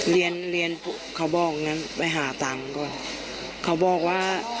เรียนเขาบอกนั้นไปหาตำงก่อนเขาบอกว่า